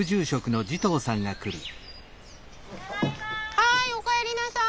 はいお帰りなさい。